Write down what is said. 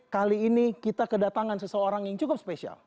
kali ini kita kedatangan seseorang yang cukup spesial